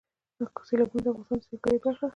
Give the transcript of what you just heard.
سیلابونه د افغانستان د سیلګرۍ برخه ده.